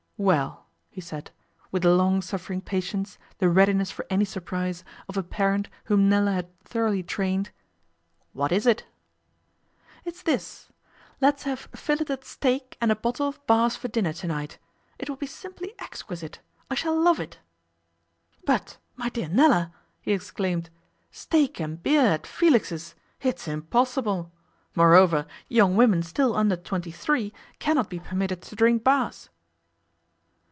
'Well,' he said, with the long suffering patience, the readiness for any surprise, of a parent whom Nella had thoroughly trained, 'what is it?' 'It's this. Let's have filleted steak and a bottle of Bass for dinner to night. It will be simply exquisite. I shall love it.' 'But my dear Nella,' he exclaimed, 'steak and beer at Felix's! It's impossible! Moreover, young women still under twenty three cannot be permitted to drink Bass.